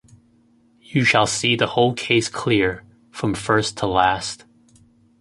You shall see the whole case clear, from first to last.